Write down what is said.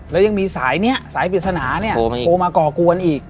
แล้วยังมีสายเนี่ยสายผิดสนานี่โทรมาก่อกวนอีก